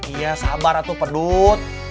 iya sabar atu pedut